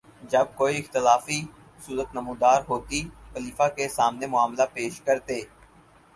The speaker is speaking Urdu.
جب کوئی اختلافی صورت نمودار ہوتی، خلیفہ کے سامنے معاملہ پیش کرتے